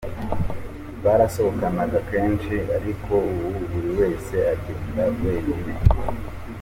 Barasohokanaga kenshi ariko ubu buri wese agenda wenyine.